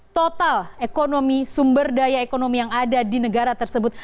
total ekonomi sumber daya ekonomi yang ada di negara tersebut